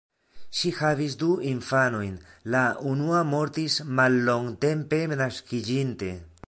Ŝi havis du infanojn, la unua mortis mallongtempe naskiĝinte.